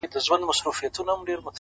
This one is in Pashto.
که دې د سترگو له سکروټو نه فناه واخلمه؛